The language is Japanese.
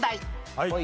はい。